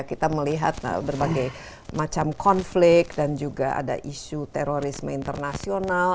kita melihat berbagai macam konflik dan juga ada isu terorisme internasional